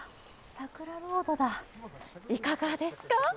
いかがですか？